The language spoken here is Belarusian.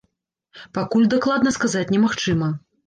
Пакуль дакладна сказаць немагчыма.